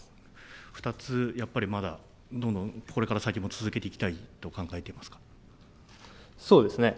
２つやっぱりまだどんどんこれから先も続けていきたいと考えてそうですね。